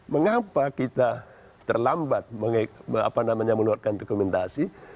mengapa kita terlambat menurutkan rekomendasi